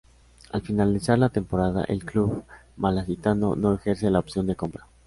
Al finalizar la temporada, el club malacitano no ejerce la opción de compra.